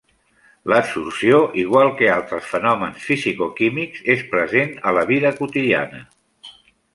L'adsorció, igual que altres fenòmens fisicoquímics, és present a la vida quotidiana.